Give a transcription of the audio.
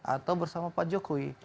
atau bersama pak jokowi